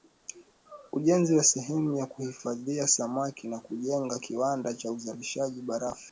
Ujenzi wa sehemu ya kuhifadhia samaki na kujenga kiwanda cha uzalishaji barafu